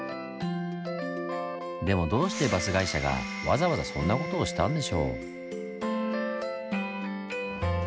でもどうしてバス会社がわざわざそんな事をしたんでしょう？